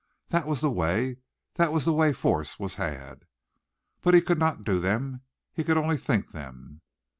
That was the way. That was the way force was had. But he could not do them. He could only think them.